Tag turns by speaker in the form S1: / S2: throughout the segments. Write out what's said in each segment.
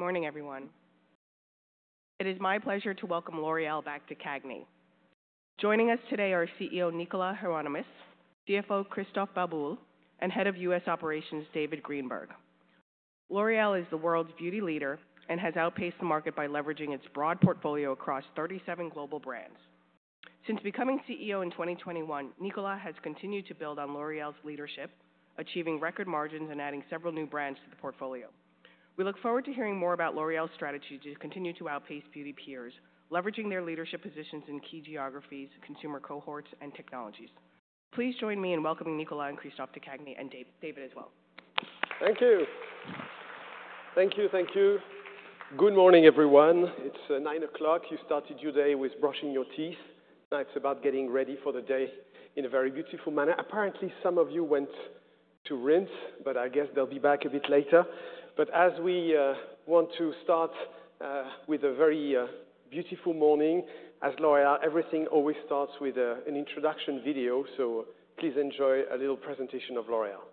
S1: Good morning, everyone. It is my pleasure to welcome L'Oréal back to CAGNI. Joining us today are CEO Nicolas Hieronimus, CFO Christophe Babule, and Head of U.S. Operations David Greenberg. L'Oréal is the world's beauty leader and has outpaced the market by leveraging its broad portfolio across 37 global brands. Since becoming CEO in 2021, Nicolas has continued to build on L'Oréal's leadership, achieving record margins and adding several new brands to the portfolio. We look forward to hearing more about L'Oréal's strategy to continue to outpace beauty peers, leveraging their leadership positions in key geographies, consumer cohorts, and technologies. Please join me in welcoming Nicolas and Christophe to CAGNI, and David as well.
S2: Thank you. Thank you, thank you. Good morning, everyone. It's 9:00 A.M. You started your day with brushing your teeth. Now it's about getting ready for the day in a very beautiful manner. Apparently, some of you went to rinse, but I guess they'll be back a bit later. But as we want to start with a very beautiful morning, as L'Oréal, everything always starts with an introduction video. So please enjoy a little presentation of L'Oréal.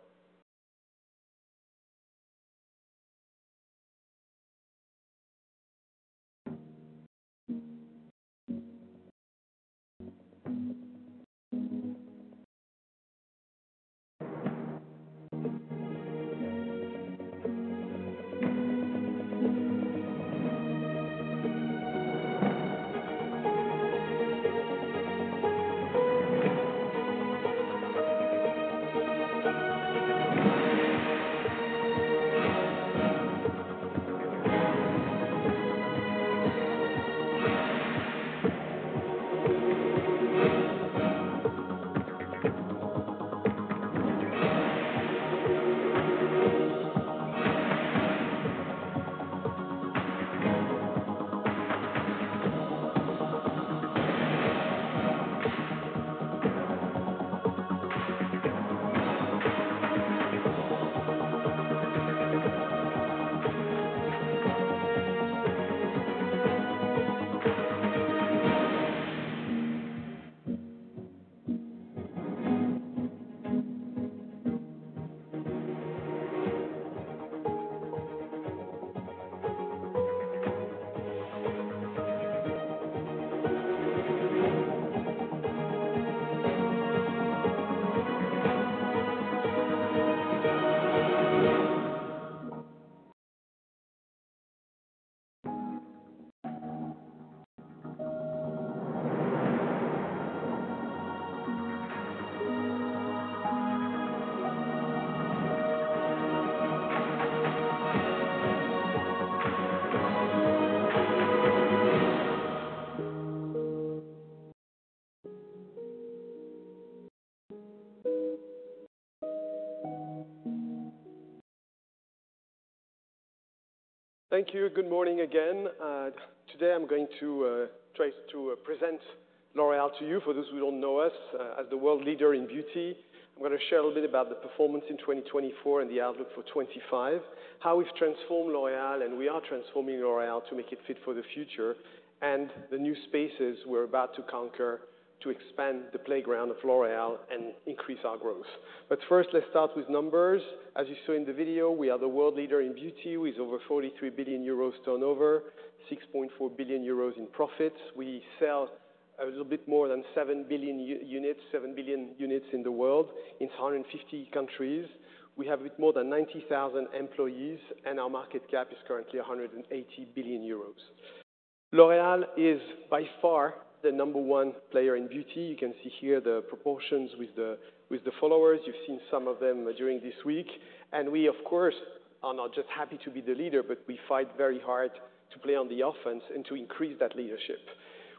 S2: Thank you. Good morning again. Today I'm going to try to present L'Oréal to you, for those who don't know us, as the world leader in beauty. I'm going to share a little bit about the performance in 2024 and the outlook for 2025, how we've transformed L'Oréal, and we are transforming L'Oréal to make it fit for the future, and the new spaces we're about to conquer to expand the playground of L'Oréal and increase our growth. But first, let's start with numbers. As you saw in the video, we are the world leader in beauty. We have over 43 billion euros turnover, 6.4 billion euros in profits. We sell a little bit more than 7 billion units, 7 billion units in the world in 150 countries. We have a bit more than 90,000 employees, and our market cap is currently 180 billion euros. L'Oréal is by far the number one player in beauty. You can see here the proportions with the followers. You've seen some of them during this week. We, of course, are not just happy to be the leader, but we fight very hard to play on the offense and to increase that leadership.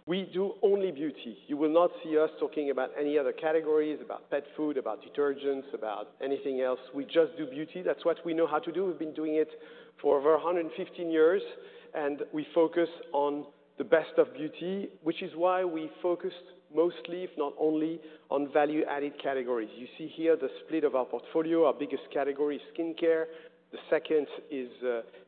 S2: We do only beauty. You will not see us talking about any other categories, about pet food, about detergents, about anything else. We just do beauty. That's what we know how to do. We've been doing it for over 115 years, and we focus on the best of beauty, which is why we focused mostly, if not only, on value-added categories. You see here the split of our portfolio. Our biggest category is skincare. The second is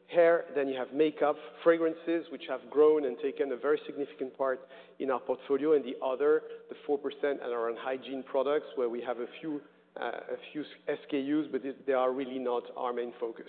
S2: hair. Then you have makeup, fragrances, which have grown and taken a very significant part in our portfolio. And the other, the 4%, are on hygiene products, where we have a few SKUs, but they are really not our main focus.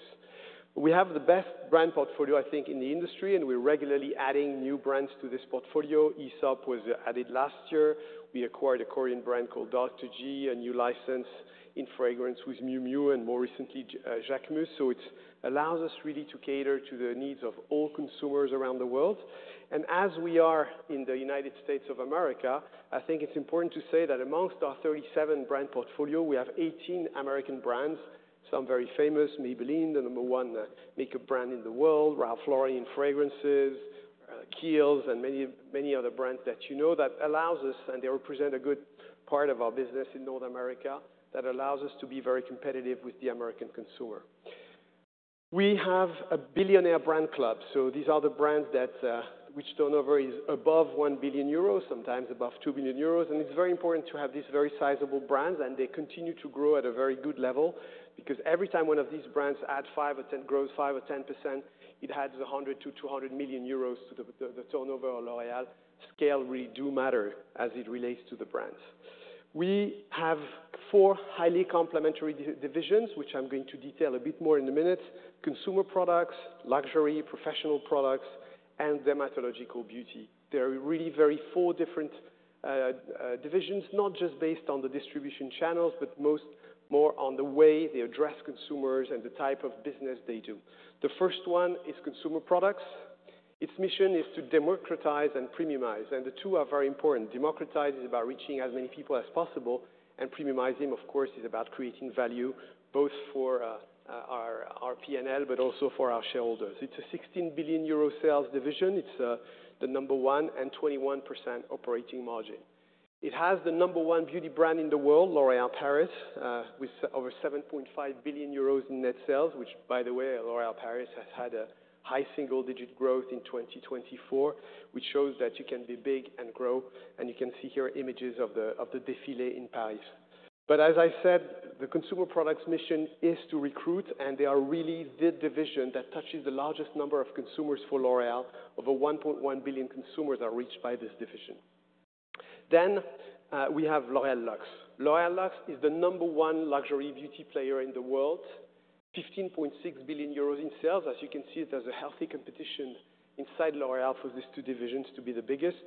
S2: We have the best brand portfolio, I think, in the industry, and we're regularly adding new brands to this portfolio. Aesop was added last year. We acquired a Korean brand called Dr. G, a new license in fragrance with Miu Miu and more recently Jacquemus. So it allows us really to cater to the needs of all consumers around the world. And as we are in the United States of America, I think it's important to say that amongst our 37 brand portfolio, we have 18 American brands, some very famous, Maybelline, the number one makeup brand in the world, Ralph Lauren in fragrances, Kiehl's, and many other brands that you know that allows us, and they represent a good part of our business in North America, that allows us to be very competitive with the American consumer. We have a billionaire brand club. These are the brands which turnover is above €1 billion, sometimes above €2 billion. It's very important to have these very sizable brands, and they continue to grow at a very good level because every time one of these brands adds 5% or 10%, it adds €100-€200 million to the turnover. L'Oréal scale really does matter as it relates to the brands. We have four highly complementary divisions, which I'm going to detail a bit more in a minute: consumer products, luxury, professional products, and dermatological beauty. There are really four different divisions, not just based on the distribution channels, but more on the way they address consumers and the type of business they do. The first one is consumer products. Its mission is to democratize and premiumize. The two are very important. Democratize is about reaching as many people as possible, and premiumizing, of course, is about creating value both for our P&L but also for our shareholders. It's a 16 billion euro sales division. It's the number one and 21% operating margin. It has the number one beauty brand in the world, L'Oréal Paris, with over 7.5 billion euros in net sales, which, by the way, L'Oréal Paris has had a high single-digit growth in 2024, which shows that you can be big and grow. And you can see here images of the défilé in Paris. But as I said, the consumer products mission is to recruit, and they are really the division that touches the largest number of consumers for L'Oréal. Over 1.1 billion consumers are reached by this division. Then we have L'Oréal Luxe. L'Oréal Luxe is the number one luxury beauty player in the world, 15.6 billion euros in sales. As you can see, there's a healthy competition inside L'Oréal for these two divisions to be the biggest.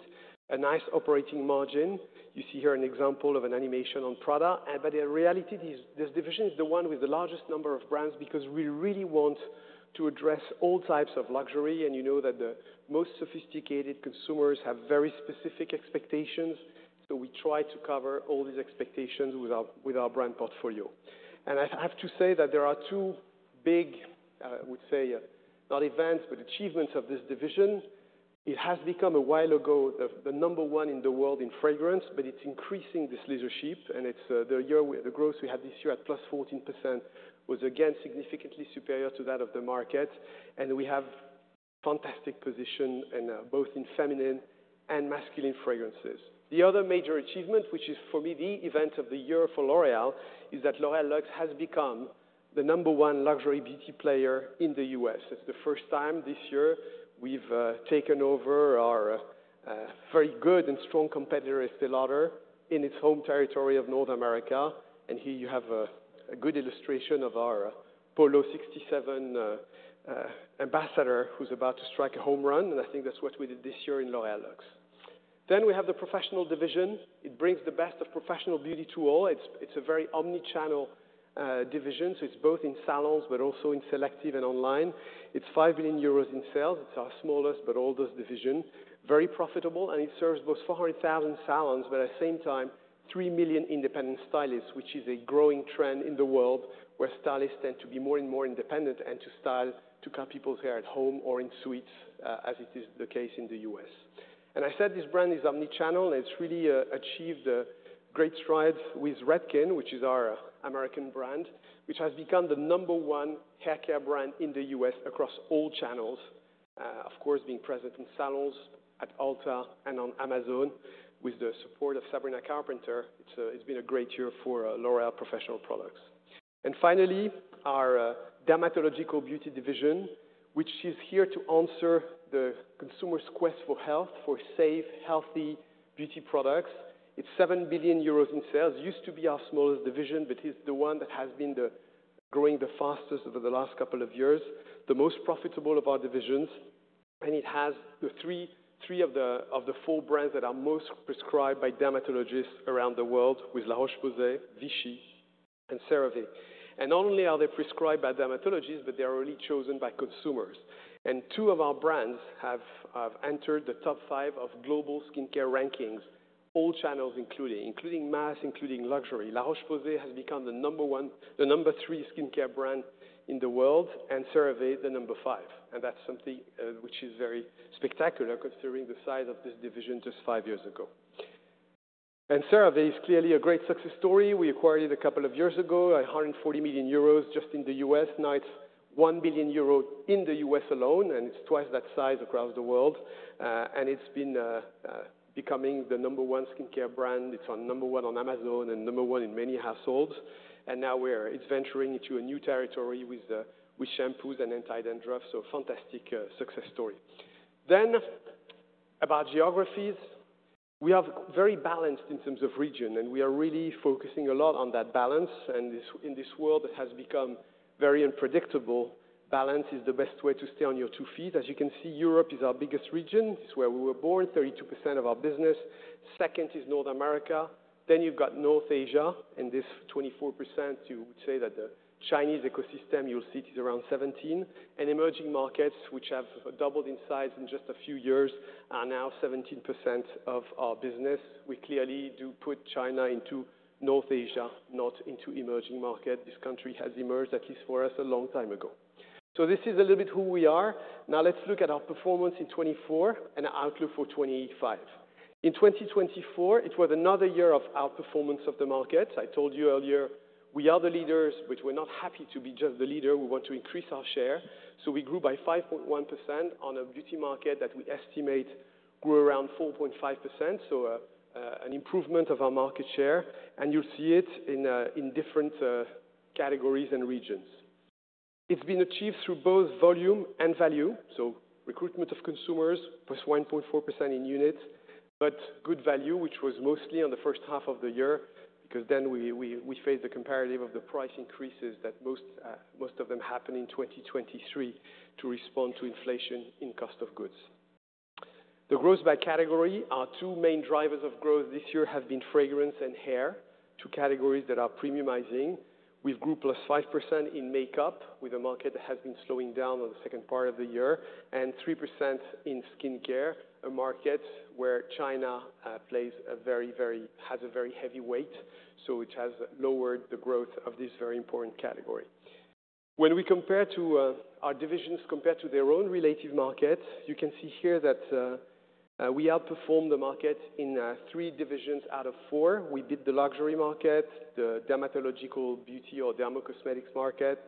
S2: A nice operating margin. You see here an example of an animation on Prada. But in reality, this division is the one with the largest number of brands because we really want to address all types of luxury. And you know that the most sophisticated consumers have very specific expectations. So we try to cover all these expectations with our brand portfolio. And I have to say that there are two big, I would say not events, but achievements of this division. It has become a while ago the number one in the world in fragrance, but it's increasing this leadership. And the growth we had this year at plus 14% was again significantly superior to that of the market. And we have a fantastic position both in feminine and masculine fragrances. The other major achievement, which is for me the event of the year for L'Oréal, is that L'Oréal Luxe has become the number one luxury beauty player in the U.S. It's the first time this year we've taken over our very good and strong competitor Estée Lauder in its home territory of North America, and here you have a good illustration of our Polo 67 ambassador who's about to strike a home run. I think that's what we did this year in L'Oréal Luxe, then we have the professional division. It brings the best of professional beauty to all. It's a very omni-channel division, so it's both in salons but also in selective and online. It's 5 billion euros in sales. It's our smallest but oldest division, very profitable. And it serves both 400,000 salons but at the same time 3 million independent stylists, which is a growing trend in the world where stylists tend to be more and more independent and to style to cut people's hair at home or in suites, as it is the case in the U.S. And I said this brand is omni-channel. It's really achieved great strides with Redken, which is our American brand, which has become the number one haircare brand in the U.S. across all channels, of course, being present in salons, at Ulta, and on Amazon. With the support of Sabrina Carpenter, it's been a great year for L'Oréal Professionnel products. And finally, our dermatological beauty division, which is here to answer the consumer's quest for health, for safe, healthy beauty products. It's 7 billion euros in sales. It used to be our smallest division, but it's the one that has been growing the fastest over the last couple of years, the most profitable of our divisions. And it has three of the four brands that are most prescribed by dermatologists around the world with La Roche-Posay, Vichy, and CeraVe. And not only are they prescribed by dermatologists, but they are only chosen by consumers. And two of our brands have entered the top five of global skincare rankings, all channels included, including mass, including luxury. La Roche-Posay has become the number three skincare brand in the world, and CeraVe, the number five. And that's something which is very spectacular considering the size of this division just five years ago. And CeraVe is clearly a great success story. We acquired it a couple of years ago, 140 million euros just in the U.S. Now it's €1 billion in the U.S. alone, and it's twice that size across the world. And it's been becoming the number one skincare brand. It's number one on Amazon and number one in many households. And now we're venturing into a new territory with shampoos and anti-dandruff. So fantastic success story. Then about geographies, we are very balanced in terms of region, and we are really focusing a lot on that balance. And in this world, it has become very unpredictable. Balance is the best way to stay on your two feet. As you can see, Europe is our biggest region. It's where we were born, 32% of our business. Second is North America. Then you've got North Asia. And this 24%, you would say that the Chinese ecosystem, you'll see it is around 17. And emerging markets, which have doubled in size in just a few years, are now 17% of our business. We clearly do put China into North Asia, not into emerging market. This country has emerged, at least for us, a long time ago. So this is a little bit who we are. Now let's look at our performance in 2024 and our outlook for 2025. In 2024, it was another year of outperformance of the markets. I told you earlier, we are the leaders, but we're not happy to be just the leader. We want to increase our share. So we grew by 5.1% on a beauty market that we estimate grew around 4.5%. So an improvement of our market share. And you'll see it in different categories and regions. It's been achieved through both volume and value. So, recruitment of consumers, plus 1.4% in units, but good value, which was mostly in the first half of the year because then we face the comparative of the price increases that most of them happen in 2023 to respond to inflation in cost of goods. The growth by category, our two main drivers of growth this year have been fragrance and hair, two categories that are premiumizing. We've grew plus 5% in makeup with a market that has been slowing down in the second part of the year, and 3% in skincare, a market where China plays a very, very heavy weight. So it has lowered the growth of this very important category. When we compare our divisions compared to their own relative market, you can see here that we outperform the market in three divisions out of four. We beat the luxury market, the dermatological beauty or dermocosmetics market,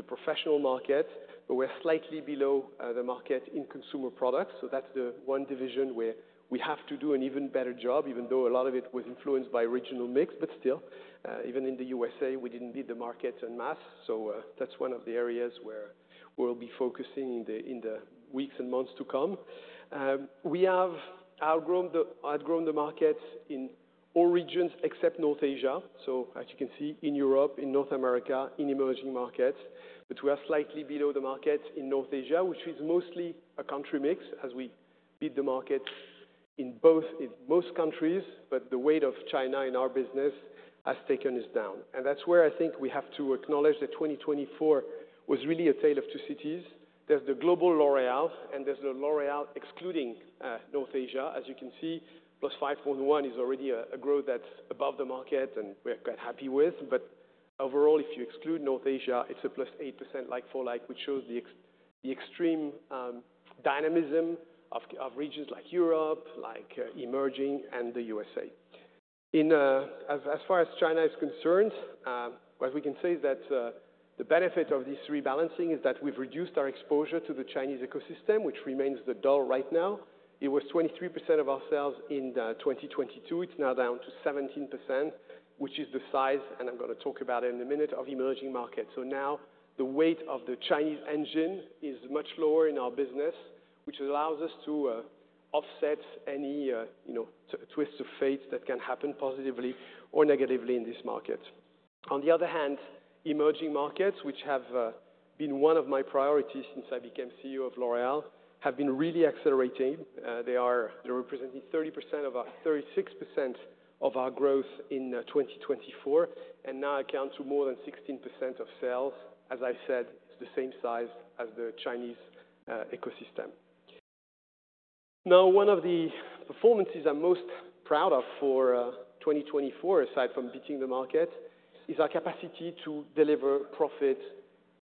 S2: the professional market. But we're slightly below the market in consumer products. So that's the one division where we have to do an even better job, even though a lot of it was influenced by regional mix. But still, even in the USA, we didn't beat the market en masse. So that's one of the areas where we'll be focusing in the weeks and months to come. We have outgrown the markets in all regions except North Asia. So as you can see, in Europe, in North America, in emerging markets. But we are slightly below the markets in North Asia, which is mostly a country mix as we beat the markets in most countries. But the weight of China in our business has taken us down. And that's where I think we have to acknowledge that 2024 was really a tale of two cities. There's the global L'Oréal, and there's the L'Oréal excluding North Asia. As you can see, +5.1% is already a growth that's above the market, and we're quite happy with. But overall, if you exclude North Asia, it's a +8% like-for-like, which shows the extreme dynamism of regions like Europe, like emerging, and the USA. As far as China is concerned, what we can say is that the benefit of this rebalancing is that we've reduced our exposure to the Chinese ecosystem, which remains in the doldrums right now. It was 23% of our sales in 2022. It's now down to 17%, which is the size, and I'm going to talk about it in a minute, of emerging markets. So now the weight of the Chinese engine is much lower in our business, which allows us to offset any twists of fate that can happen positively or negatively in this market. On the other hand, emerging markets, which have been one of my priorities since I became CEO of L'Oréal, have been really accelerating. They are representing 30% of our 36% of our growth in 2024, and now account for more than 16% of sales. As I said, it's the same size as the Chinese ecosystem. Now, one of the performances I'm most proud of for 2024, aside from beating the market, is our capacity to deliver profit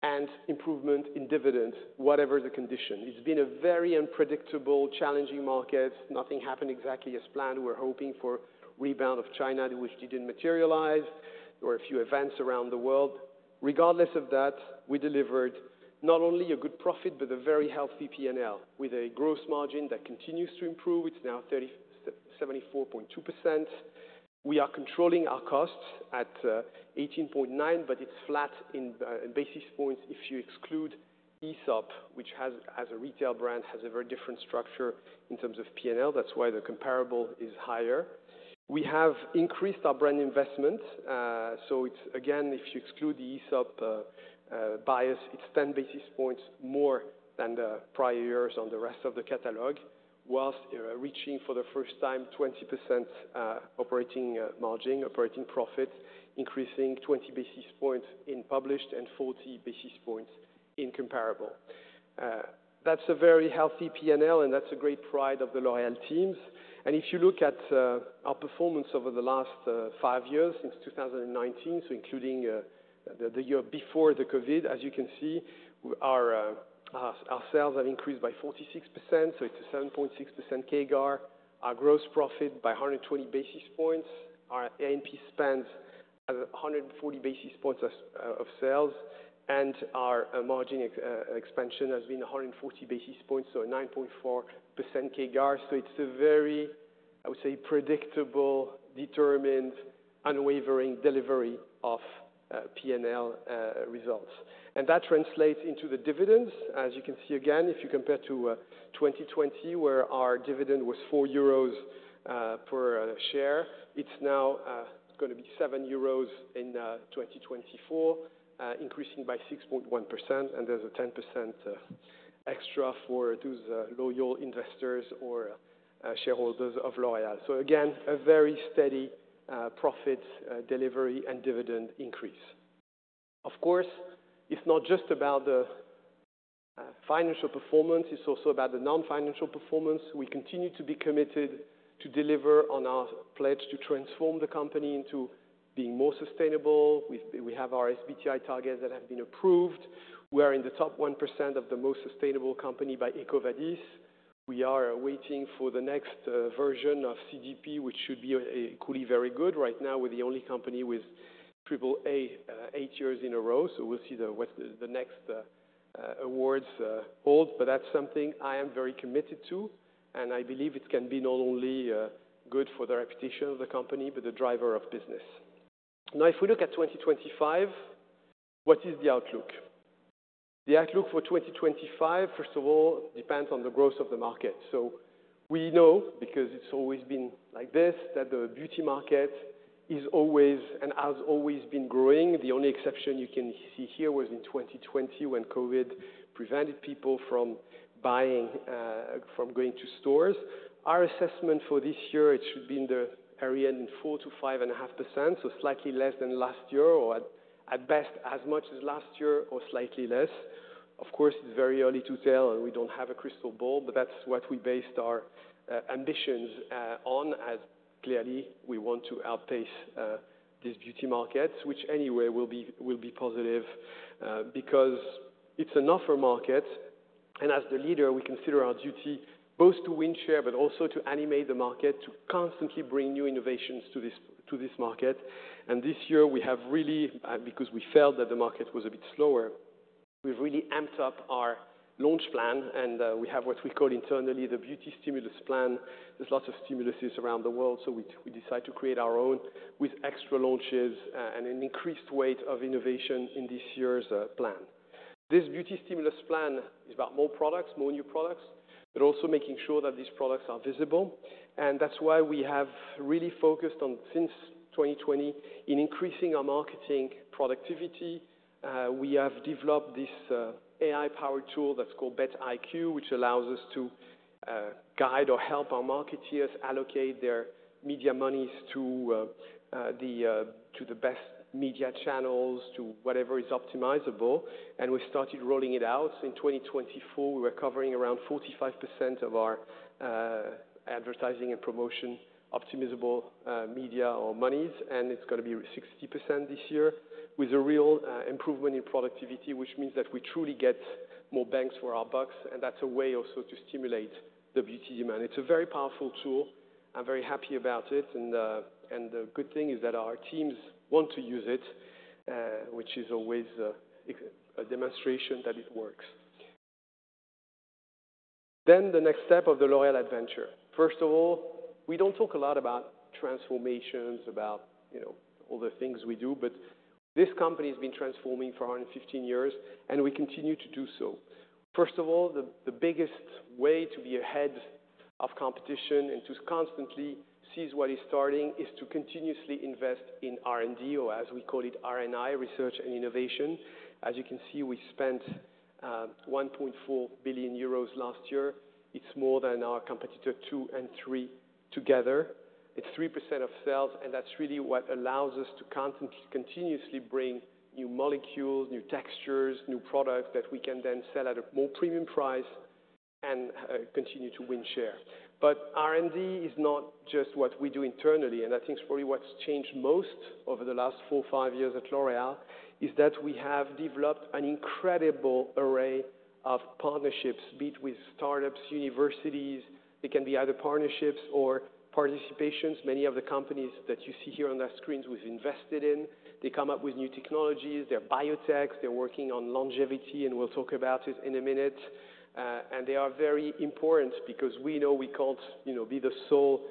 S2: and improvement in dividends, whatever the condition. It's been a very unpredictable, challenging market. Nothing happened exactly as planned. We were hoping for a rebound of China, which didn't materialize. There were a few events around the world. Regardless of that, we delivered not only a good profit but a very healthy P&L with a gross margin that continues to improve. It's now 74.2%. We are controlling our costs at 18.9, but it's flat in basis points if you exclude ESOP, which as a retail brand has a very different structure in terms of P&L. That's why the comparable is higher. We have increased our brand investment. So again, if you exclude the ESOP bias, it's 10 basis points more than the prior years on the rest of the catalog, whilst reaching for the first time 20% operating margin, operating profit, increasing 20 basis points in published and 40 basis points in comparable. That's a very healthy P&L, and that's a great pride of the L'Oréal teams. And if you look at our performance over the last five years since 2019, so including the year before the COVID, as you can see, our sales have increased by 46%. So it's a 7.6% CAGR. Our gross profit by 120 basis points. Our A&P spends 140 basis points of sales, and our margin expansion has been 140 basis points, so a 9.4% CAGR. So it's a very, I would say, predictable, determined, unwavering delivery of P&L results. And that translates into the dividends. As you can see again, if you compare to 2020, where our dividend was 4 euros per share, it's now going to be 7 euros in 2024, increasing by 6.1%. And there's a 10% extra for those loyal investors or shareholders of L'Oréal. So again, a very steady profit delivery and dividend increase. Of course, it's not just about the financial performance. It's also about the non-financial performance. We continue to be committed to deliver on our pledge to transform the company into being more sustainable. We have our SBTi targets that have been approved. We are in the top 1% of the most sustainable company by EcoVadis. We are waiting for the next version of CDP, which should be equally very good. Right now, we're the only company with AAA eight years in a row. So we'll see the next awards hold. But that's something I am very committed to, and I believe it can be not only good for the reputation of the company but the driver of business. Now, if we look at 2025, what is the outlook? The outlook for 2025, first of all, depends on the growth of the market. So we know, because it's always been like this, that the beauty market is always and has always been growing. The only exception you can see here was in 2020 when COVID prevented people from going to stores. Our assessment for this year, it should be in the area in 4%-5.5%, so slightly less than last year, or at best as much as last year or slightly less. Of course, it's very early to tell, and we don't have a crystal ball, but that's what we based our ambitions on, as clearly we want to outpace these beauty markets, which anyway will be positive because it's an offer market. And as the leader, we consider our duty both to win share but also to animate the market to constantly bring new innovations to this market. And this year, we have really, because we felt that the market was a bit slower, we've really amped up our launch plan, and we have what we call internally the Beauty Stimulus Plan. There's lots of stimuli around the world, so we decide to create our own with extra launches and an increased weight of innovation in this year's plan. This Beauty Stimulus Plan is about more products, more new products, but also making sure that these products are visible. And that's why we have really focused on, since 2020, in increasing our marketing productivity. We have developed this AI-powered tool that's called BET IQ, which allows us to guide or help our marketeers allocate their media monies to the best media channels, to whatever is optimizable. And we started rolling it out. In 2024, we were covering around 45% of our advertising and promotion optimizable media or monies, and it's going to be 60% this year with a real improvement in productivity, which means that we truly get more bang for our bucks, and that's a way also to stimulate the beauty demand. It's a very powerful tool. I'm very happy about it, and the good thing is that our teams want to use it, which is always a demonstration that it works. Then the next step of the L'Oréal adventure. First of all, we don't talk a lot about transformations, about all the things we do, but this company has been transforming for 115 years, and we continue to do so. First of all, the biggest way to be ahead of competition and to constantly see what is starting is to continuously invest in R&D, or as we call it, R&I, research and innovation. As you can see, we spent 1.4 billion euros last year. It's more than our competitor two and three together. It's 3% of sales, and that's really what allows us to continuously bring new molecules, new textures, new products that we can then sell at a more premium price and continue to win share. But R&D is not just what we do internally. And I think probably what's changed most over the last four, five years at L'Oréal is that we have developed an incredible array of partnerships, be it with startups, universities. It can be either partnerships or participations. Many of the companies that you see here on the screens we've invested in, they come up with new technologies. They're biotech. They're working on longevity, and we'll talk about it in a minute. And they are very important because we know we can't be the sole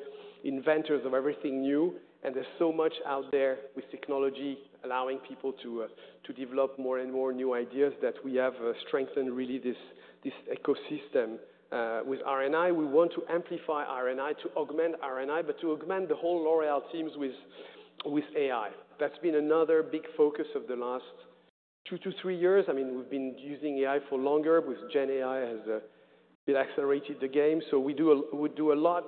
S2: inventors of everything new. And there's so much out there with technology allowing people to develop more and more new ideas that we have strengthened really this ecosystem with R&I. We want to amplify R&I, to augment R&I, but to augment the whole L'Oréal teams with AI. That's been another big focus of the last two to three years. I mean, we've been using AI for longer. With GenAI, it has been accelerating the game. So we do a lot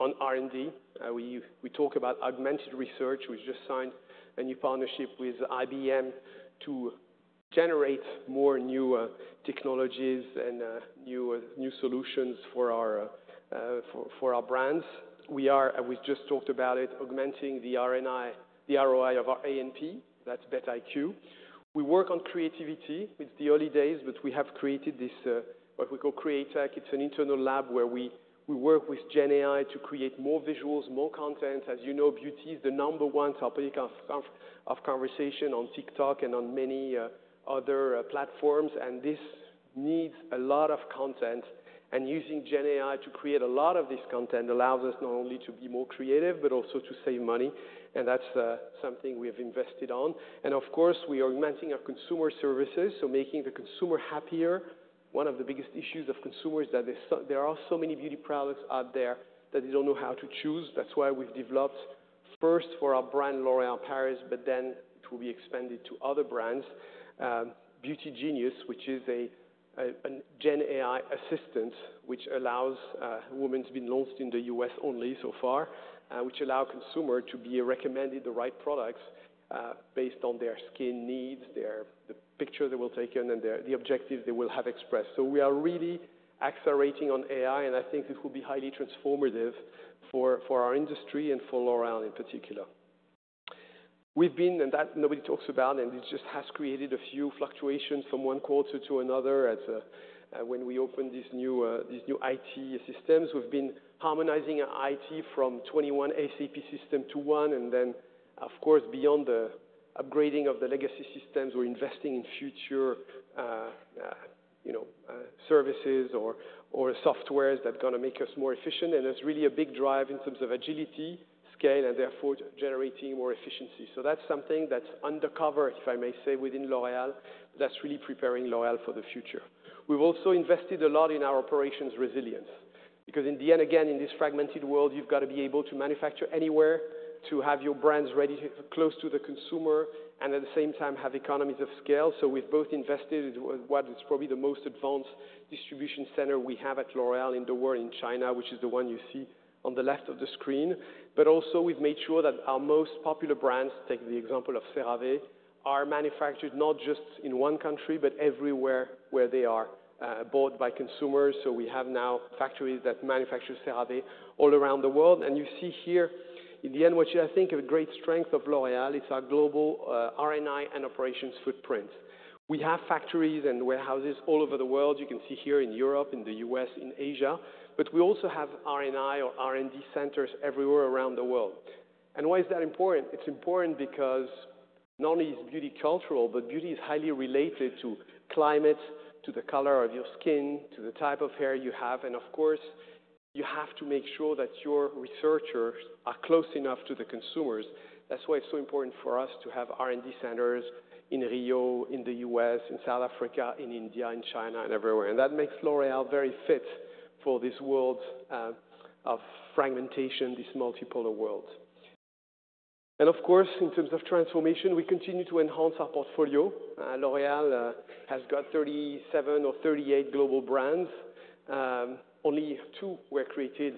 S2: on R&I. We talk about augmented research. We've just signed a new partnership with IBM to generate more new technologies and new solutions for our brands. We are, as we just talked about it, augmenting the ROI of our A&P. That's BET IQ. We work on creativity. It's the early days, but we have created this what we call CreaTech. It's an internal lab where we work with GenAI to create more visuals, more content. As you know, beauty is the number one topic of conversation on TikTok and on many other platforms, and this needs a lot of content, and using GenAI to create a lot of this content allows us not only to be more creative but also to save money, and that's something we have invested on, and of course, we are augmenting our consumer services, so making the consumer happier. One of the biggest issues of consumers is that there are so many beauty products out there that they don't know how to choose. That's why we've developed first for our brand, L'Oréal Paris, but then it will be expanded to other brands. Beauty Genius, which is a GenAI assistant, which has been launched in the US only so far, which allows consumers to be recommended the right products based on their skin needs, the picture they will take in, and the objectives they will have expressed. So we are really accelerating on AI, and I think this will be highly transformative for our industry and for L'Oréal in particular. We've been, and that nobody talks about, and it just has created a few fluctuations from one quarter to another when we opened these new IT systems. We've been harmonizing IT from 21 SAP systems to 1, and then, of course, beyond the upgrading of the legacy systems, we're investing in future services or softwares that are going to make us more efficient. And it's really a big drive in terms of agility, scale, and therefore generating more efficiency. So that's something that's undercover, if I may say, within L'Oréal, but that's really preparing L'Oréal for the future. We've also invested a lot in our operations resilience because, in the end, again, in this fragmented world, you've got to be able to manufacture anywhere, to have your brands ready close to the consumer, and at the same time have economies of scale. So we've both invested in what is probably the most advanced distribution center we have at L'Oréal in the world, in China, which is the one you see on the left of the screen. But also, we've made sure that our most popular brands, take the example of CeraVe, are manufactured not just in one country but everywhere where they are bought by consumers. So we have now factories that manufacture CeraVe all around the world. And you see here, in the end, what I think of a great strength of L'Oréal. It's our global R&I and operations footprint. We have factories and warehouses all over the world. You can see here in Europe, in the U.S., in Asia, but we also have R&I or R&D centers everywhere around the world. And why is that important? It's important because not only is beauty cultural, but beauty is highly related to climate, to the color of your skin, to the type of hair you have. And of course, you have to make sure that your researchers are close enough to the consumers. That's why it's so important for us to have R&D centers in Rio, in the U.S., in South Africa, in India, in China, and everywhere. And that makes L'Oréal very fit for this world of fragmentation, this multipolar world. And of course, in terms of transformation, we continue to enhance our portfolio. L'Oréal has got 37 or 38 global brands. Only two were created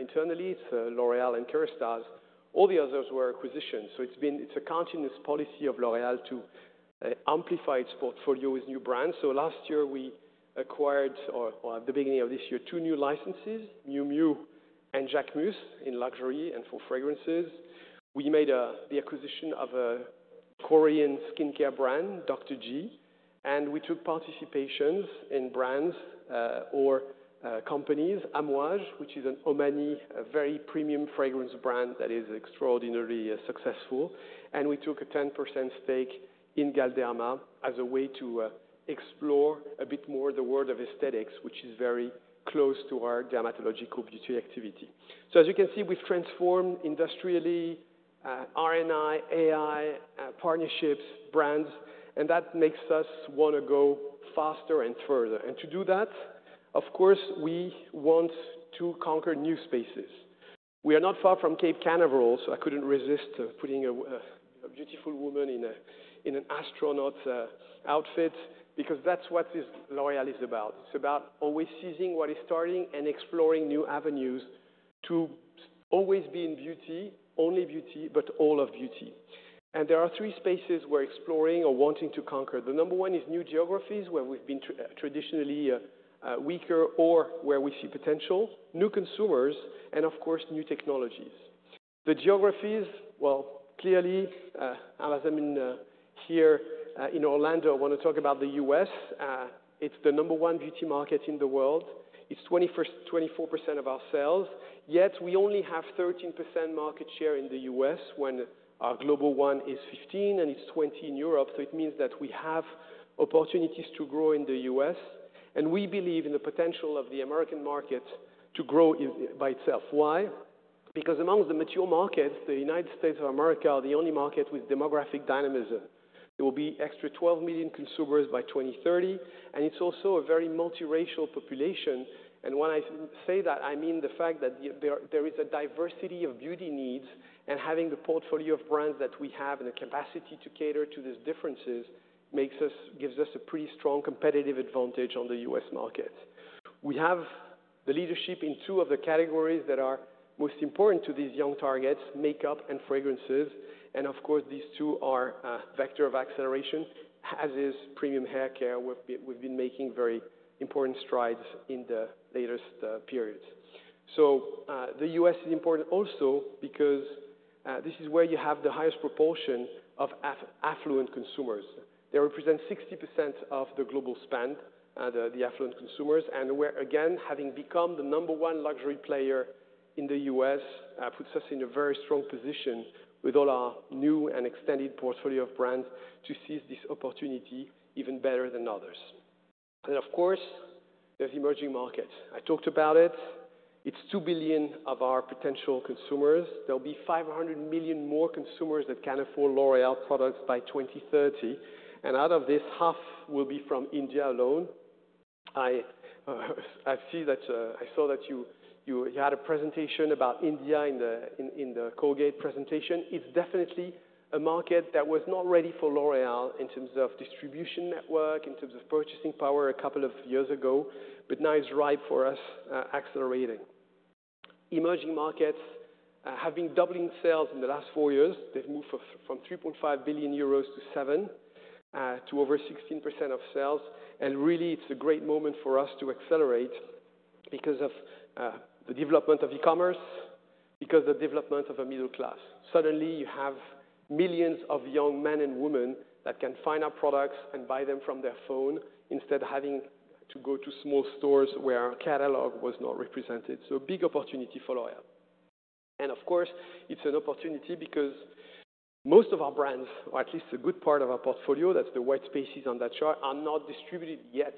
S2: internally. It's L'Oréal and Kérastase. All the others were acquisitions. So it's a continuous policy of L'Oréal to amplify its portfolio with new brands. So last year, we acquired, or at the beginning of this year, two new licenses, Miu Miu and Jacquemus, in luxury and for fragrances. We made the acquisition of a Korean skincare brand, Dr. G, and we took participations in brands or companies, Amouage, which is an Omani, a very premium fragrance brand that is extraordinarily successful. And we took a 10% stake in Galderma as a way to explore a bit more the world of aesthetics, which is very close to our dermatological beauty activity. So as you can see, we've transformed industrially R&I, AI, partnerships, brands, and that makes us want to go faster and further. And to do that, of course, we want to conquer new spaces. We are not far from Cape Canaveral, so I couldn't resist putting a beautiful woman in an astronaut outfit because that's what this L'Oréal is about. It's about always seizing what is starting and exploring new avenues to always be in beauty, only beauty, but all of beauty. And there are three spaces we're exploring or wanting to conquer. The number one is new geographies where we've been traditionally weaker or where we see potential, new consumers, and of course, new technologies. The geographies, well, clearly, as I'm in here in Orlando, I want to talk about the U.S. It's the number one beauty market in the world. It's 24% of our sales. Yet we only have 13% market share in the U.S. when our global one is 15%, and it's 20% in Europe. So it means that we have opportunities to grow in the U.S. And we believe in the potential of the American market to grow by itself. Why? Because amongst the mature markets, the United States of America are the only market with demographic dynamism. There will be extra 12 million consumers by 2030, and it's also a very multiracial population. And when I say that, I mean the fact that there is a diversity of beauty needs, and having the portfolio of brands that we have and the capacity to cater to these differences gives us a pretty strong competitive advantage on the U.S. market. We have the leadership in two of the categories that are most important to these young targets: makeup and fragrances. And of course, these two are vector of acceleration, as is premium haircare. We've been making very important strides in the latest periods. So the U.S. is important also because this is where you have the highest proportion of affluent consumers. They represent 60% of the global spend, the affluent consumers. And again, having become the number one luxury player in the U.S., puts us in a very strong position with all our new and extended portfolio of brands to seize this opportunity even better than others. And of course, there's emerging markets. I talked about it. It's two billion of our potential consumers. There'll be 500 million more consumers that can afford L'Oréal products by 2030. And out of this, half will be from India alone. I saw that you had a presentation about India in the Colgate presentation. It's definitely a market that was not ready for L'Oréal in terms of distribution network, in terms of purchasing power a couple of years ago, but now it's ripe for us accelerating. Emerging markets have been doubling sales in the last four years. They've moved from 3.5 billion euros to 7 to over 16% of sales. Really, it's a great moment for us to accelerate because of the development of e-commerce, because of the development of a middle class. Suddenly, you have millions of young men and women that can find our products and buy them from their phone instead of having to go to small stores where our catalog was not represented. Big opportunity for L'Oréal. Of course, it's an opportunity because most of our brands, or at least a good part of our portfolio, that's the white spaces on that chart, are not distributed yet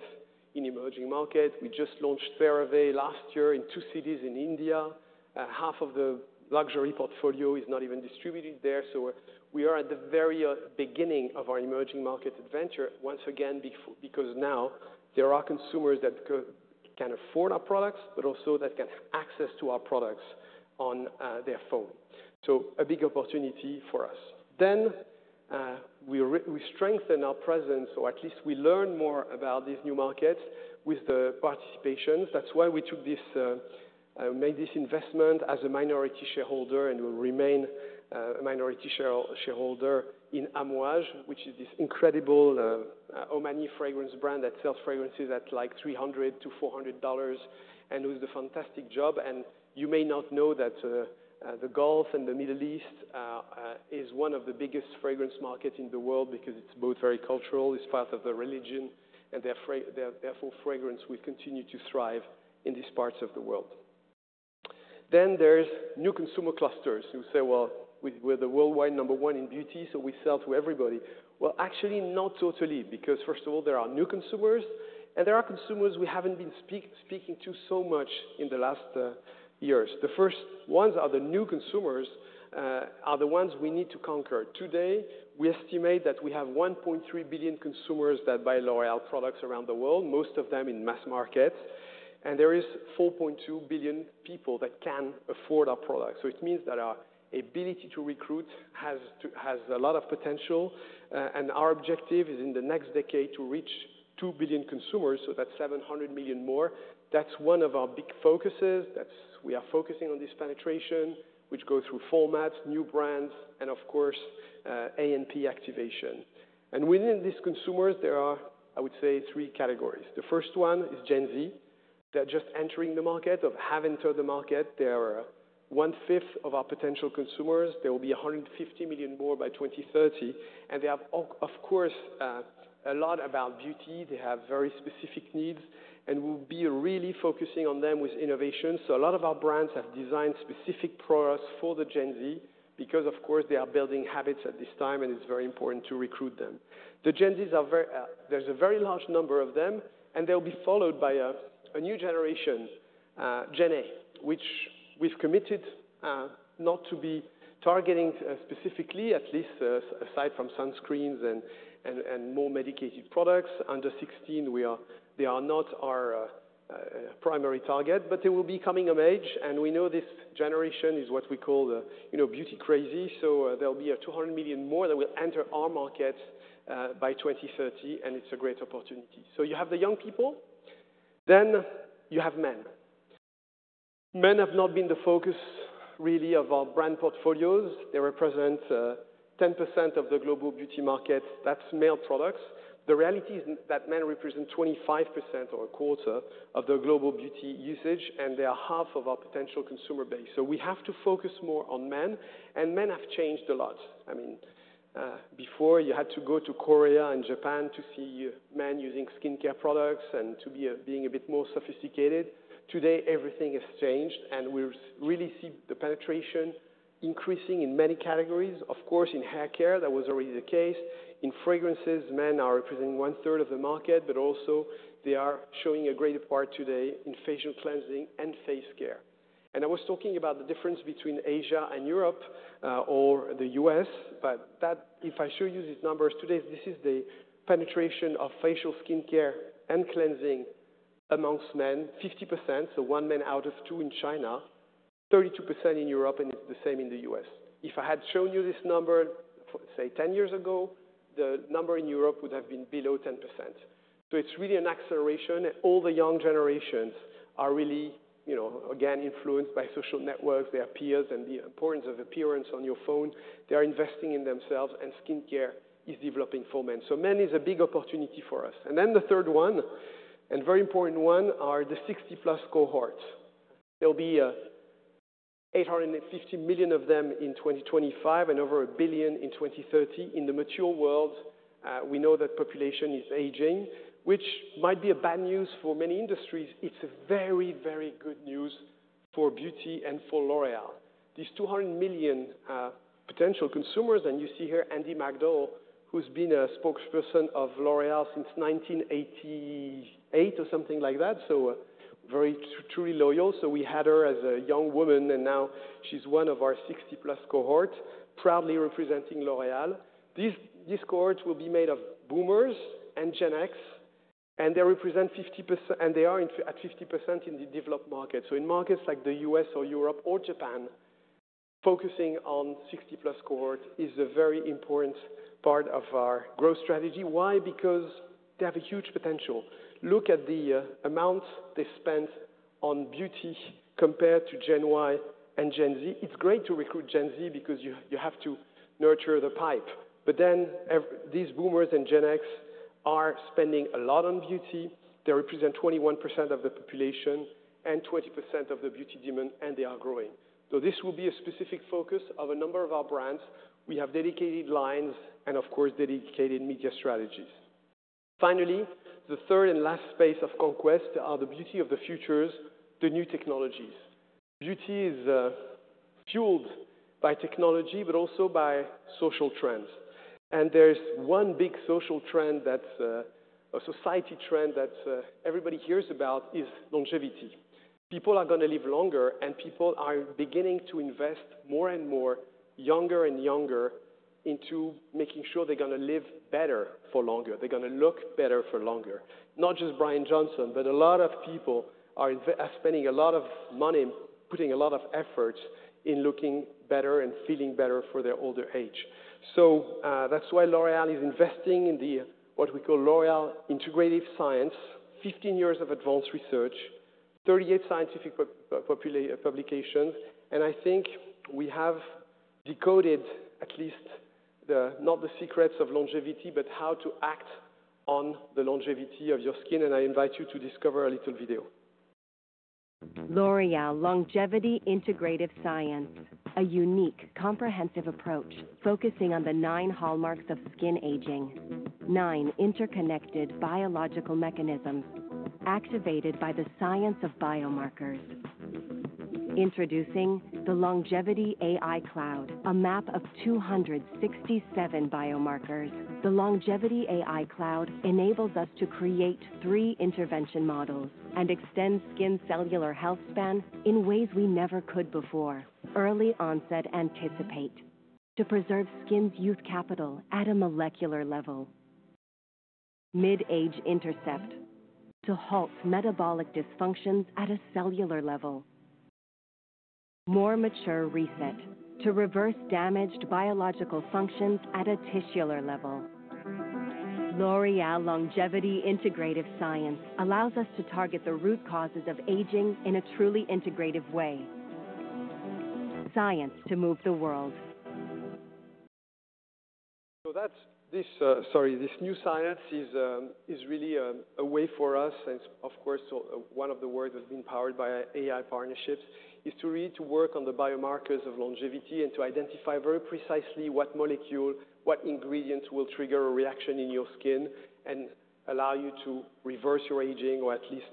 S2: in emerging markets. We just launched CeraVe last year in two cities in India. Half of the luxury portfolio is not even distributed there. We are at the very beginning of our emerging market adventure, once again, because now there are consumers that can afford our products, but also that can have access to our products on their phone. So a big opportunity for us. Then we strengthen our presence, or at least we learn more about these new markets with the participations. That's why we made this investment as a minority shareholder and will remain a minority shareholder in Amouage, which is this incredible Omani fragrance brand that sells fragrances at like $300-$400 and does a fantastic job. And you may not know that the Gulf and the Middle East is one of the biggest fragrance markets in the world because it's both very cultural, it's part of the religion, and therefore fragrance will continue to thrive in these parts of the world. Then there's new consumer clusters. You say, well, we're the worldwide number one in beauty, so we sell to everybody, well, actually, not totally, because first of all, there are new consumers, and there are consumers we haven't been speaking to so much in the last years. The first ones are the new consumers, the ones we need to conquer. Today, we estimate that we have 1.3 billion consumers that buy L'Oréal products around the world, most of them in mass markets, and there is 4.2 billion people that can afford our products, so it means that our ability to recruit has a lot of potential, and our objective is in the next decade to reach 2 billion consumers, so that's 700 million more. That's one of our big focuses. We are focusing on this penetration, which goes through formats, new brands, and of course, A&P activation. Within these consumers, there are, I would say, three categories. The first one is Gen Z. They're just entering the market, have entered the market. They are one-fifth of our potential consumers. There will be 150 million more by 2030. They have, of course, a lot about beauty. They have very specific needs, and we'll be really focusing on them with innovation. A lot of our brands have designed specific products for the Gen Z because, of course, they are building habits at this time, and it's very important to recruit them. The Gen Zs, there's a very large number of them, and they'll be followed by a new generation, Gen A, which we've committed not to be targeting specifically, at least aside from sunscreens and more medicated products. Under 16, they are not our primary target, but they will be coming of age. We know this generation is what we call beauty crazy. There'll be 200 million more that will enter our market by 2030, and it's a great opportunity. You have the young people. You have men. Men have not been the focus really of our brand portfolios. They represent 10% of the global beauty market. That's male products. The reality is that men represent 25% or a quarter of the global beauty usage, and they are half of our potential consumer base. We have to focus more on men, and men have changed a lot. I mean, before you had to go to Korea and Japan to see men using skincare products and to be being a bit more sophisticated. Today, everything has changed, and we really see the penetration increasing in many categories. Of course, in haircare, that was already the case. In fragrances, men are representing one-third of the market, but also they are showing a greater part today in facial cleansing and face care. I was talking about the difference between Asia and Europe or the U.S., but if I show you these numbers today, this is the penetration of facial skincare and cleansing amongst men, 50%, so one man out of two in China, 32% in Europe, and it's the same in the U.S. If I had shown you this number, say, 10 years ago, the number in Europe would have been below 10%. It's really an acceleration. All the young generations are really, again, influenced by social networks, their peers, and the importance of appearance on your phone. They are investing in themselves, and skincare is developing for men. Men is a big opportunity for us. And then the third one, and very important one, are the 60-plus cohorts. There'll be 850 million of them in 2025 and over a billion in 2030. In the mature world, we know that population is aging, which might be bad news for many industries. It's very, very good news for beauty and for L'Oréal. These 200 million potential consumers, and you see here Andie MacDowell, who's been a spokesperson of L'Oréal since 1988 or something like that, so very truly loyal. So we had her as a young woman, and now she's one of our 60-plus cohorts, proudly representing L'Oréal. These cohorts will be made of boomers and Gen X, and they represent 50%, and they are at 50% in the developed market. So in markets like the U.S. or Europe or Japan, focusing on 60-plus cohorts is a very important part of our growth strategy. Why? Because they have a huge potential. Look at the amount they spent on beauty compared to Gen Y and Gen Z. It's great to recruit Gen Z because you have to nurture the pipe. But then these boomers and Gen X are spending a lot on beauty. They represent 21% of the population and 20% of the beauty demand, and they are growing. So this will be a specific focus of a number of our brands. We have dedicated lines and, of course, dedicated media strategies. Finally, the third and last space of conquest are the beauty of the futures, the new technologies. Beauty is fueled by technology, but also by social trends. And there's one big social trend that's a society trend that everybody hears about is longevity. People are going to live longer, and people are beginning to invest more and more, younger and younger, into making sure they're going to live better for longer. They're going to look better for longer. Not just Bryan Johnson, but a lot of people are spending a lot of money, putting a lot of effort in looking better and feeling better for their older age. So that's why L'Oréal is investing in what we call L'Oréal Integrative Science, 15 years of advanced research, 38 scientific publications. And I think we have decoded at least not the secrets of longevity, but how to act on the longevity of your skin. And I invite you to discover a little video. L'Oréal Longevity Integrative Science, a unique comprehensive approach focusing on the nine hallmarks of skin aging, nine interconnected biological mechanisms activated by the science of biomarkers. Introducing the Longevity AI Cloud, a map of 267 biomarkers. The Longevity AI Cloud enables us to create three intervention models and extend skin cellular health span in ways we never could before. Early onset intervention to preserve skin's youth capital at a molecular level. Mid-age intercept to halt metabolic dysfunctions at a cellular level. More mature reset to reverse damaged biological functions at a tissular level. L'Oréal Longevity Integrative Science allows us to target the root causes of aging in a truly integrative way. Science to move the world. So this new science is really a way for us, and of course, one of the ways has been powered by AI partnerships, is to really work on the biomarkers of longevity and to identify very precisely what molecule, what ingredient will trigger a reaction in your skin and allow you to reverse your aging or at least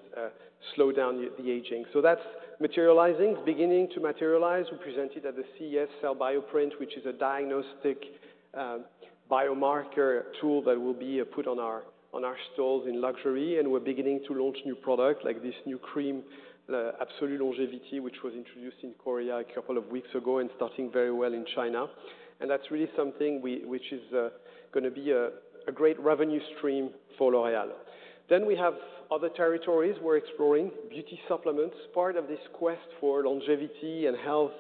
S2: slow down the aging. So that's materializing, beginning to materialize. We presented at the CES, Cell Bioprint, which is a diagnostic biomarker tool that will be put on our stalls in luxury. And we're beginning to launch new products like this new cream, Absolue Longevity, which was introduced in Korea a couple of weeks ago and starting very well in China. And that's really something which is going to be a great revenue stream for L'Oréal. Then we have other territories we're exploring, beauty supplements, part of this quest for longevity and health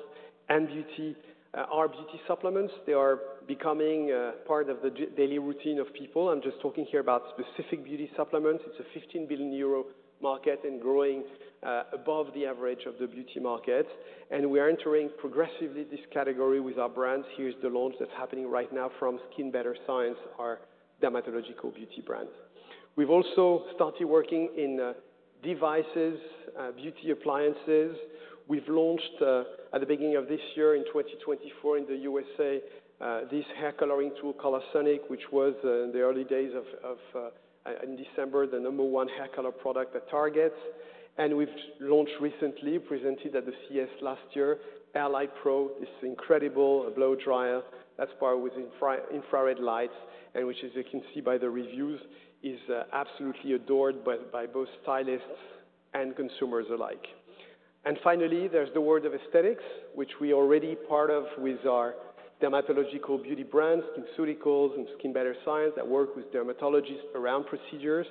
S2: and beauty. Our beauty supplements, they are becoming part of the daily routine of people. I'm just talking here about specific beauty supplements. It's a 15 billion euro market and growing above the average of the beauty markets. And we are entering progressively this category with our brands. Here's the launch that's happening right now from SkinBetter Science, our dermatological beauty brand. We've also started working in devices, beauty appliances. We've launched at the beginning of this year in 2024 in the U.S. this hair coloring tool, Colorsonic, which was in the early days in December, the number one hair color product at Target. And we've launched recently, presented at the CES last year, AirLight Pro, this incredible blow dryer. That's powered with infrared lights, and which, as you can see by the reviews, is absolutely adored by both stylists and consumers alike. Finally, there's the world of aesthetics, which we are already part of with our dermatological beauty brands, SkinCeuticals, and SkinBetter Science that work with dermatologists around procedures.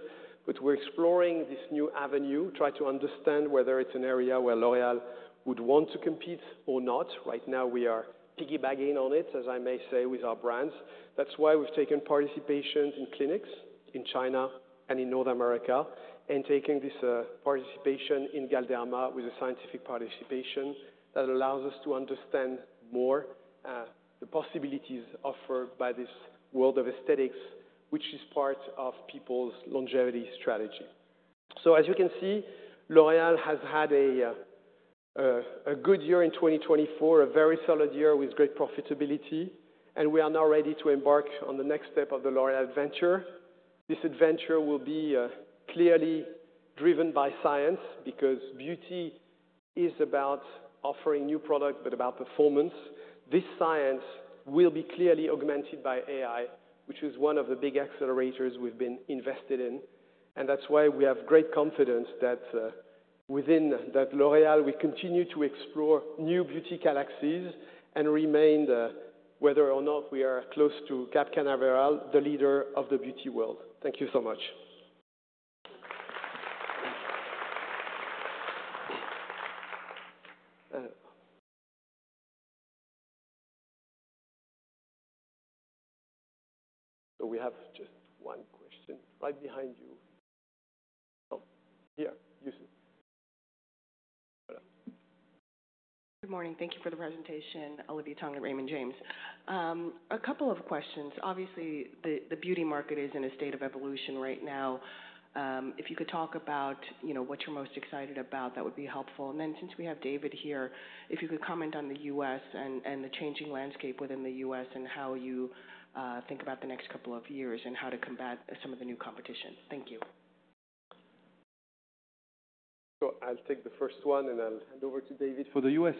S2: We're exploring this new avenue, trying to understand whether it's an area where L'Oréal would want to compete or not. Right now, we are piggybacking on it, as I may say, with our brands. That's why we've taken participation in clinics in China and in North America and taken this participation in Galderma with a scientific participation that allows us to understand more the possibilities offered by this world of aesthetics, which is part of people's longevity strategy. As you can see, L'Oréal has had a good year in 2024, a very solid year with great profitability. We are now ready to embark on the next step of the L'Oréal adventure. This adventure will be clearly driven by science because beauty is about offering new products, but about performance. This science will be clearly augmented by AI, which is one of the big accelerators we've been invested in. That's why we have great confidence that within L'Oréal, we continue to explore new beauty galaxies and remain whether or not we are close to Cape Canaveral, the leader of the beauty world. Thank you so much.
S3: We have just one question right behind you. Oh, here. Good morning.
S4: Thank you for the presentation, Olivia Tong and Raymond James. A couple of questions. Obviously, the beauty market is in a state of evolution right now. If you could talk about what you're most excited about, that would be helpful. And then since we have David here, if you could comment on the U.S. and the changing landscape within the U.S. and how you think about the next couple of years and how to combat some of the new competition. Thank you.
S2: So I'll take the first one, and I'll hand over to David for the U.S.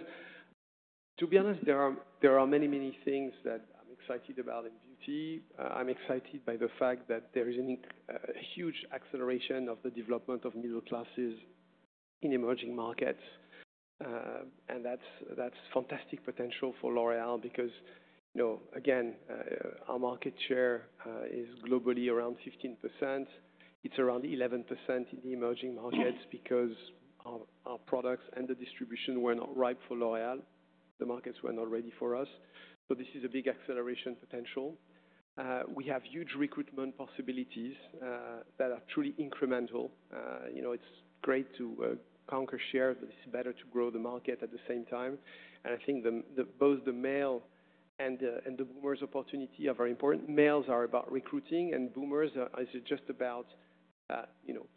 S2: To be honest, there are many, many things that I'm excited about in beauty. I'm excited by the fact that there is a huge acceleration of the development of middle classes in emerging markets. And that's fantastic potential for L'Oréal because, again, our market share is globally around 15%. It's around 11% in the emerging markets because our products and the distribution were not ripe for L'Oréal. The markets were not ready for us. So this is a big acceleration potential. We have huge recruitment possibilities that are truly incremental. It's great to conquer shares, but it's better to grow the market at the same time. And I think both the male and the boomers' opportunity are very important. Males are about recruiting, and boomers are just about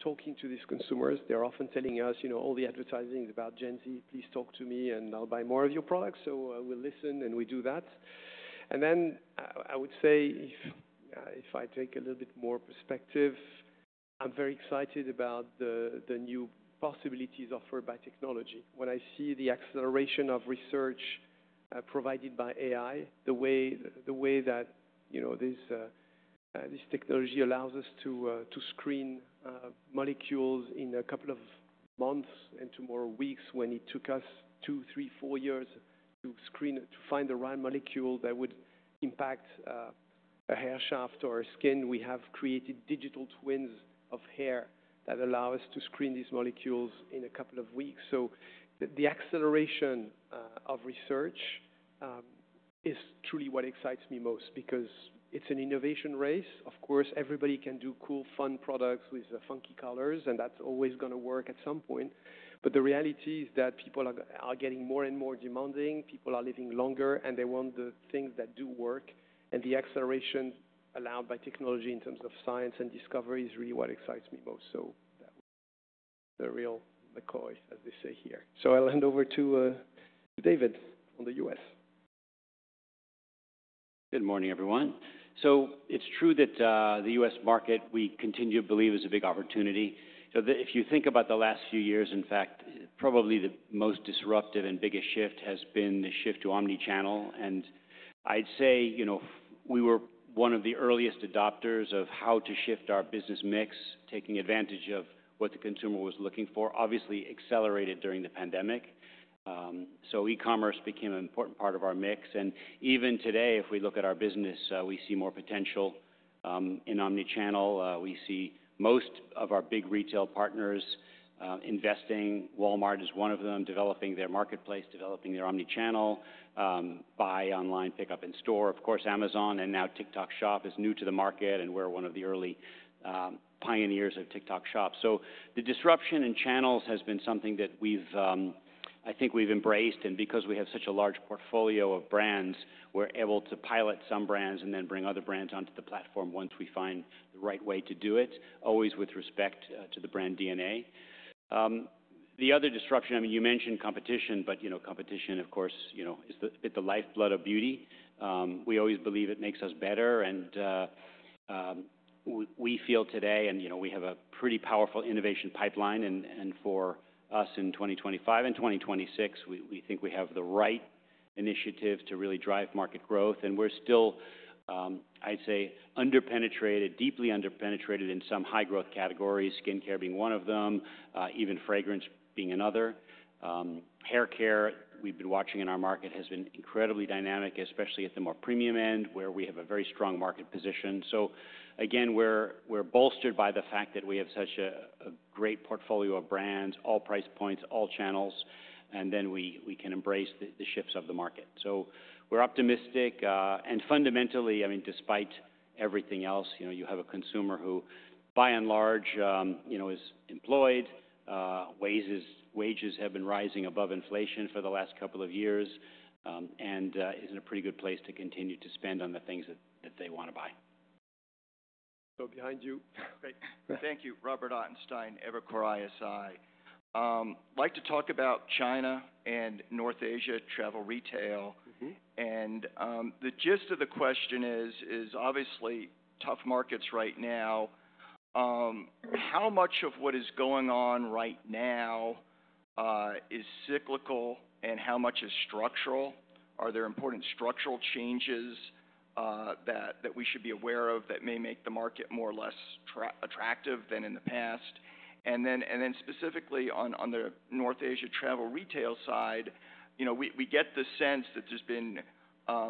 S2: talking to these consumers. They're often telling us all the advertising is about Gen Z. Please talk to me, and I'll buy more of your products. So we'll listen, and we do that. And then I would say, if I take a little bit more perspective, I'm very excited about the new possibilities offered by technology. When I see the acceleration of research provided by AI, the way that this technology allows us to screen molecules in a couple of months and tomorrow weeks when it took us two, three, four years to find the right molecule that would impact a hair shaft or a skin. We have created digital twins of hair that allow us to screen these molecules in a couple of weeks, so the acceleration of research is truly what excites me most because it's an innovation race. Of course, everybody can do cool, fun products with funky colors, and that's always going to work at some point, but the reality is that people are getting more and more demanding. People are living longer, and they want the things that do work, and the acceleration allowed by technology in terms of science and discovery is really what excites me most. So that was the real McCoy, as they say here. So I'll hand over to David on the U.S.
S5: Good morning, everyone. So it's true that the U.S. market we continue to believe is a big opportunity. If you think about the last few years, in fact, probably the most disruptive and biggest shift has been the shift to omnichannel. And I'd say we were one of the earliest adopters of how to shift our business mix, taking advantage of what the consumer was looking for, obviously accelerated during the pandemic. So e-commerce became an important part of our mix. And even today, if we look at our business, we see more potential in omnichannel. We see most of our big retail partners investing. Walmart is one of them, developing their marketplace, developing their omnichannel, buy online, pick up in store. Of course, Amazon and now TikTok Shop is new to the market, and we're one of the early pioneers of TikTok Shop. So the disruption in channels has been something that I think we've embraced. And because we have such a large portfolio of brands, we're able to pilot some brands and then bring other brands onto the platform once we find the right way to do it, always with respect to the brand DNA. The other disruption, I mean, you mentioned competition, but competition, of course, is the lifeblood of beauty. We always believe it makes us better. And we feel today, and we have a pretty powerful innovation pipeline. And for us in 2025 and 2026, we think we have the right initiative to really drive market growth. And we're still, I'd say, underpenetrated, deeply underpenetrated in some high-growth categories, skincare being one of them, even fragrance being another. Haircare, we've been watching in our market, has been incredibly dynamic, especially at the more premium end, where we have a very strong market position. So again, we're bolstered by the fact that we have such a great portfolio of brands, all price points, all channels, and then we can embrace the shifts of the market. So we're optimistic. And fundamentally, I mean, despite everything else, you have a consumer who, by and large, is employed, wages have been rising above inflation for the last couple of years, and is in a pretty good place to continue to spend on the things that they want to buy.
S3: So behind you. Thank you. Robert Ottenstein, Evercore ISI. I'd like to talk about China and North Asia travel retail.
S6: The gist of the question is, obviously, tough markets right now. How much of what is going on right now is cyclical, and how much is structural? Are there important structural changes that we should be aware of that may make the market more or less attractive than in the past? And then specifically on the North Asia travel retail side, we get the sense that there's been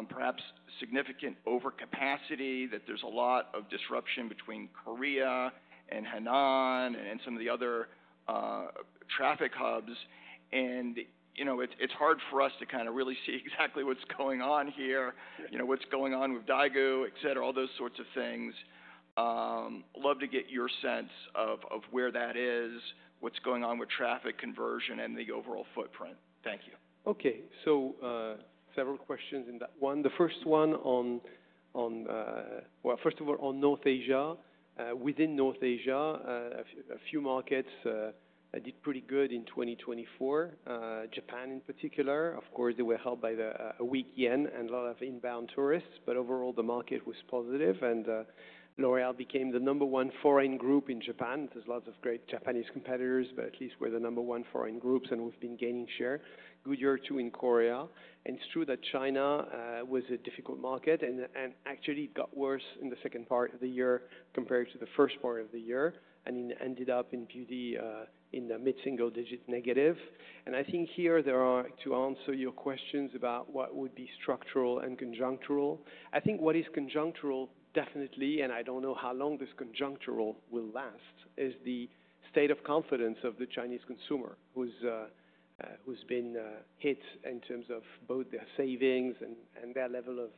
S6: perhaps significant overcapacity, that there's a lot of disruption between Korea and Hainan and some of the other traffic hubs. And it's hard for us to kind of really see exactly what's going on here, what's going on with Daigou, etc., all those sorts of things. I'd love to get your sense of where that is, what's going on with traffic conversion, and the overall footprint. Thank you.
S2: Okay. So several questions in that one. The first one on, well, first of all, on North Asia. Within North Asia, a few markets did pretty good in 2024. Japan, in particular. Of course, they were held by the weak yen and a lot of inbound tourists. But overall, the market was positive. And L'Oréal became the number one foreign group in Japan. There's lots of great Japanese competitors, but at least we're the number one foreign groups, and we've been gaining share. Good year too in Korea. And it's true that China was a difficult market, and actually it got worse in the second part of the year compared to the first part of the year. And it ended up in beauty in the mid-single digit negative. And I think here there are to answer your questions about what would be structural and conjunctural. I think what is conjunctural, definitely, and I don't know how long this conjunctural will last, is the state of confidence of the Chinese consumer who's been hit in terms of both their savings and their level of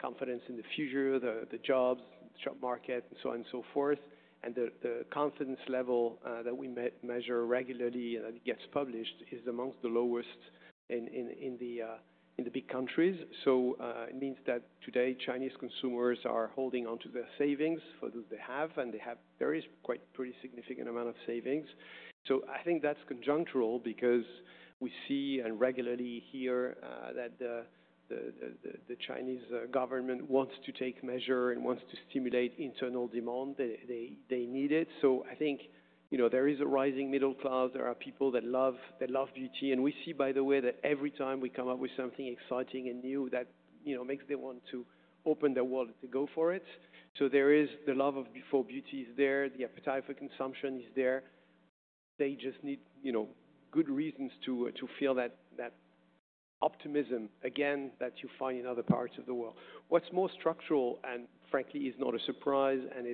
S2: confidence in the future, the jobs, the job market, and so on and so forth. And the confidence level that we measure regularly and that gets published is among the lowest in the big countries. So it means that today Chinese consumers are holding on to their savings for those they have, and they have quite a pretty significant amount of savings. So I think that's conjunctural because we see and regularly hear that the Chinese government wants to take measure and wants to stimulate internal demand. They need it. So I think there is a rising middle class. There are people that love beauty. We see, by the way, that every time we come up with something exciting and new, that makes them want to open their wallet to go for it. So there is the love for beauty is there. The appetite for consumption is there. They just need good reasons to feel that optimism, again, that you find in other parts of the world. What's more structural, and frankly, is not a surprise and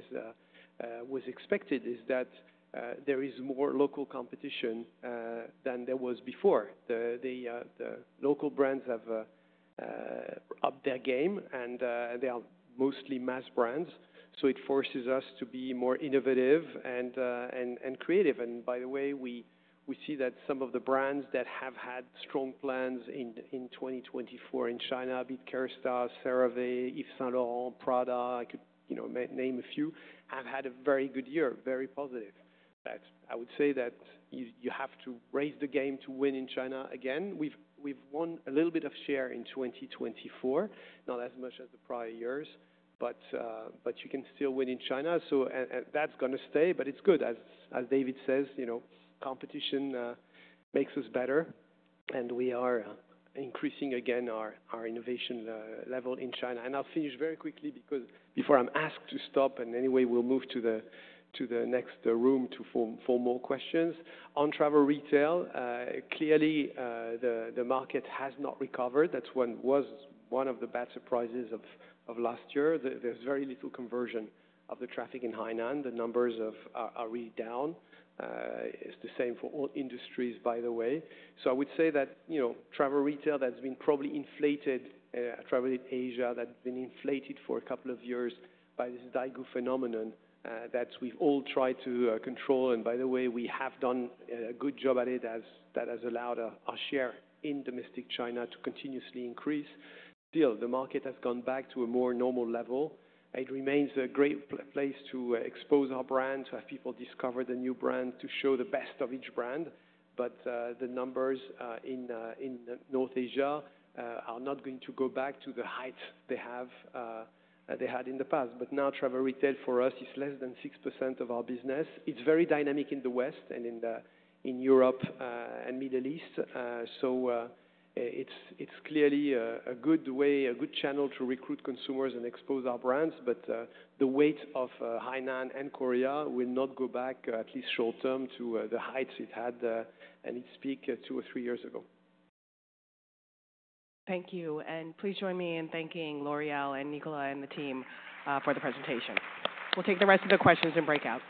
S2: was expected, is that there is more local competition than there was before. The local brands have upped their game, and they are mostly mass brands. So it forces us to be more innovative and creative. And by the way, we see that some of the brands that have had strong plans in 2024 in China, be it Kérastase, CeraVe, Yves Saint Laurent, Prada, I could name a few, have had a very good year, very positive. I would say that you have to raise the game to win in China again. We've won a little bit of share in 2024, not as much as the prior years, but you can still win in China, so that's going to stay, but it's good. As David says, competition makes us better, and we are increasing again our innovation level in China, and I'll finish very quickly because before I'm asked to stop, and anyway, we'll move to the next room for more questions. On travel retail, clearly the market has not recovered. That was one of the bad surprises of last year. There's very little conversion of the traffic in Hainan. The numbers are really down. It's the same for all industries, by the way. So I would say that travel retail that's been probably inflated. Travel in Asia, that's been inflated for a couple of years by this Daigou phenomenon that we've all tried to control. And by the way, we have done a good job at it that has allowed our share in domestic China to continuously increase. Still, the market has gone back to a more normal level. It remains a great place to expose our brand, to have people discover the new brand, to show the best of each brand. But the numbers in North Asia are not going to go back to the heights they had in the past. But now travel retail for us is less than six% of our business. It's very dynamic in the West and in Europe and Middle East. So it's clearly a good channel to recruit consumers and expose our brands. But the weight of Hainan and Korea will not go back, at least short term, to the heights it had, and its peak two or three years ago.
S1: Thank you. And please join me in thanking L'Oréal and Nicolas and the team for the presentation. We'll take the rest of the questions and break out.